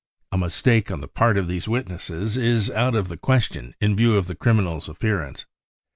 A mistake on the part of these witnesses is out of the question in view of the criminal's appearance.